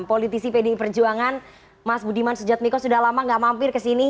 politisi pdi perjuangan mas budiman sujatmiko sudah lama gak mampir ke sini